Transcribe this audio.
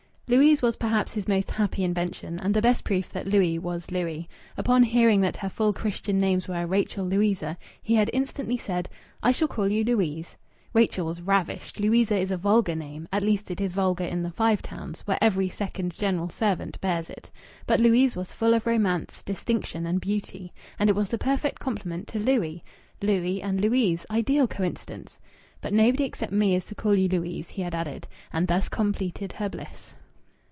"Louise" was perhaps his most happy invention, and the best proof that Louis was Louis. Upon hearing that her full Christian names were Rachel Louisa, he had instantly said "I shall call you Louise." Rachel was ravished, Louisa is a vulgar name at least it is vulgar in the Five Towns, where every second general servant bears it. But Louise was full of romance, distinction, and beauty. And it was the perfect complement to Louis. Louis and Louise ideal coincidence! "But nobody except me is to call you Louise," he had added. And thus completed her bliss.